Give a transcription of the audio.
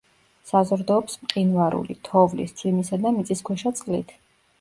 საზრდოობს მყინვარული, თოვლის, წვიმისა და მიწისქვეშა წყლით.